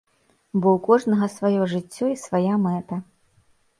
Бо ў кожнага сваё жыццё і свая мэта.